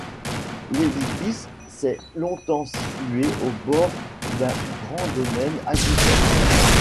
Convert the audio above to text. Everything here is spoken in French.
L’édifice s’est longtemps situé aux bords d’un grand domaine agricole.